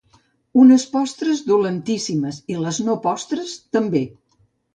Unes postres dolentíssimes, i les no postres també.